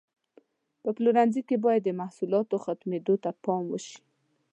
په پلورنځي کې باید د محصولاتو ختمېدو ته پام وشي.